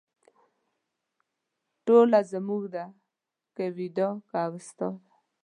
ټوله زموږ دي که ویدا که اوستا ده